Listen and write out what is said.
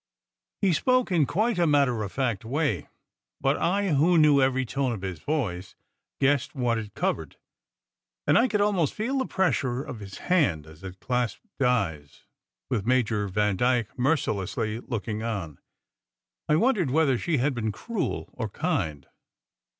He spoke in quite a matter of fact way; but I, who knew every tone of his voice, guessed what it covered; and I could almost feel the pressure of his hand as it clasped Di s, with Major Vandyke mercilessly looking on. I wondered whether she had been cruel or kind.